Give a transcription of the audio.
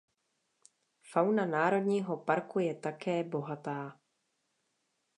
Fauna národního parku je také bohatá.